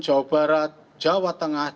jawa barat jawa tengah